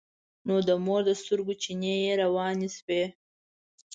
نو د مور د سترګو چينې يې روانې شوې.